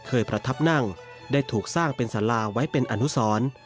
ประทับนั่งได้ถูกสร้างเป็นสาราไว้เป็นอนุสร